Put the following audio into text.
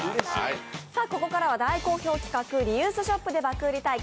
ここからは大好評企画リユースショップで爆売り対決